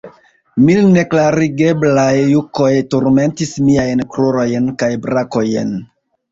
Mil neklarigeblaj jukoj turmentis miajn krurojn kaj brakojn.